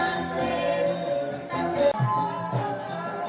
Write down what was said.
การทีลงเพลงสะดวกเพื่อความชุมภูมิของชาวไทย